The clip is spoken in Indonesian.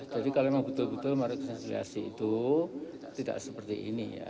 jadi kalau memang betul betul mereka konsultasi itu tidak seperti ini